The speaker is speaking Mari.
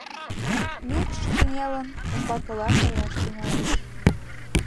Мӱкш, кынелын, умбакыла каяш тӱҥалеш.